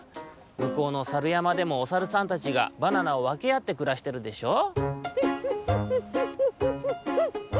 むこうのさるやまでもおさるさんたちがバナナをわけあってくらしてるでしょう？」。